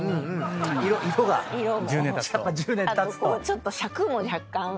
ちょっと尺も若干。